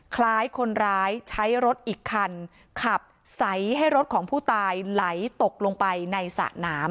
คล้ายคนร้ายใช้รถอีกคันขับใสให้รถของผู้ตายไหลตกลงไปในสระน้ำ